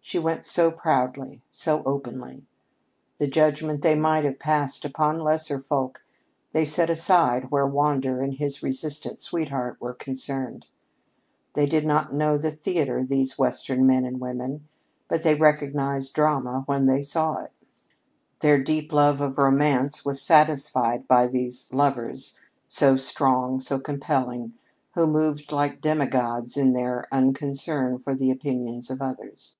She went so proudly, so openly. The judgment they might have passed upon lesser folk, they set aside where Wander and his resistant sweetheart were concerned. They did not know the theater, these Western men and women, but they recognized drama when they saw it. Their deep love of romance was satisfied by these lovers, so strong, so compelling, who moved like demigods in their unconcern for the opinions of others.